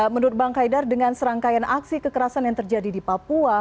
menurut bang haidar dengan serangkaian aksi kekerasan yang terjadi di papua